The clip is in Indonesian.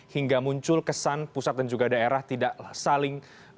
hingga muncul kesan pusat dan juga daerah tidak saling